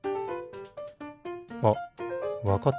あっわかった。